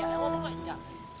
ambil boneka dulu ya